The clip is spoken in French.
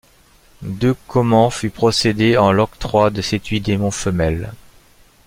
deux comment fut procédé en l’endroict de cettuy démon femelle.